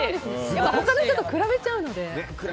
他の人と比べちゃうので。